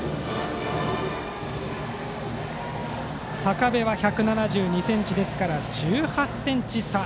坂部は１７２ｃｍですから１８ｃｍ差。